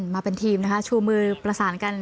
มาเป็นทีมนะคะชูมือประสานกัน